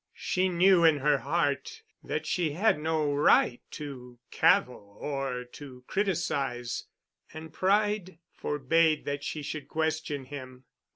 She knew in her heart that she had no right to cavil or to criticise, and pride forbade that she should question him.